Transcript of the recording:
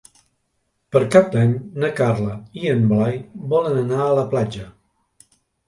Per Cap d'Any na Carla i en Blai volen anar a la platja.